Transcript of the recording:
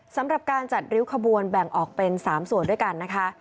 สำหรับการจัดริ้วขบวนแบ่งออกเป็น๓ส่วนด้วยกันนะคะ